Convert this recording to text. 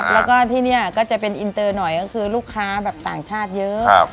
แล้วก็ที่นี่ก็จะเป็นอินเตอร์หน่อยก็คือลูกค้าแบบต่างชาติเยอะ